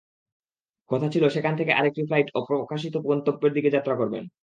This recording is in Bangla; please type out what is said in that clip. কথা ছিল, সেখান থেকে আরেকটি ফ্লাইটে অপ্রকাশিত গন্তব্যের দিকে যাত্রা করবেন।